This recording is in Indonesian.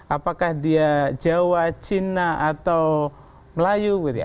apakah dia jawa cina atau melayu